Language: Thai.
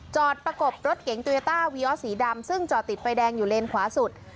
ประกบรถเก๋งโตโยต้าวีออสสีดำซึ่งจอดติดไฟแดงอยู่เลนขวาสุด